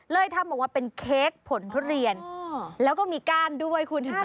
ทำออกมาเป็นเค้กผลทุเรียนแล้วก็มีก้านด้วยคุณเห็นไหม